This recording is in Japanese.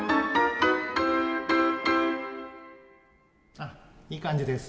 あいい感じです。